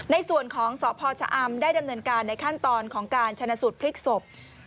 ในส่วนของสพชะอำได้ดำเนินการในขั้นตอนของการชนะสูตรพลิกศพ